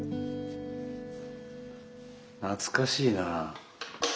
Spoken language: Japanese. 懐かしいな。